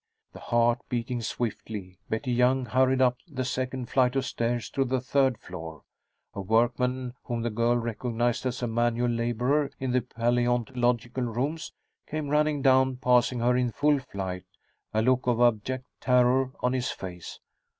Her heart beating swiftly, Betty Young hurried up the second flight of stairs to the third floor. A workman, whom the girl recognized as a manual laborer in the paleontological rooms, came running down, passing her in full flight, a look of abject terror on his face.